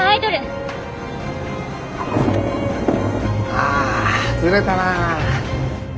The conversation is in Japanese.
ああずれたなぁ。